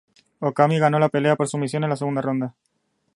Okami ganó la pelea por sumisión en la segunda ronda.